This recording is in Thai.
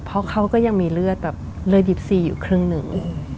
เพราะเขาก็ยังมีเลือดแบบเลือดดิบซีอยู่ครึ่งหนึ่ง